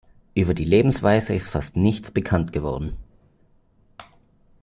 Über die Lebensweise ist fast nichts bekannt geworden.